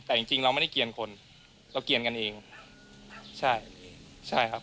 แต่จริงเราไม่ได้เกียรติคนเราเกียรติกันเองใช่ครับ